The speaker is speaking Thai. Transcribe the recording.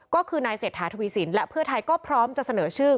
ก็คือนายเศรษฐาทวีสินและเพื่อไทยก็พร้อมจะเสนอชื่อ